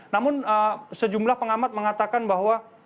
namun sejumlah pengamat mengatakan bahwa